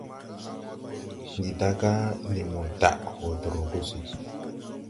Ndi daga ndi mo daʼ hodrɔ gusi.